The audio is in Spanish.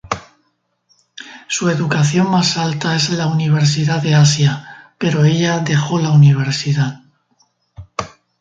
Su educación más alta es la Universidad de Asia, pero ella dejó la universidad.